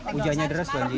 pujanya deras banjir